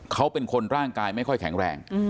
เขาเป็นคนร่างกายไม่ค่อยแข็งแรง